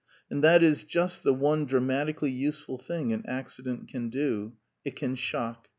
And that is just the one dramatically useful thing an accident can do. It can shock.